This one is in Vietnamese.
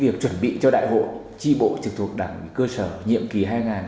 việc chuẩn bị cho đại hội tri bộ trực thuộc đảng cơ sở nhiệm kỳ hai nghìn hai mươi hai nghìn hai mươi năm